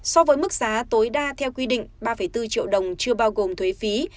so với mức giá tối đa theo quy định ba bốn triệu đồng chưa bao gồm thuế phí